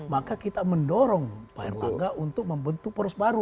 maka kita mendorong pak erlangga untuk membentuk poros baru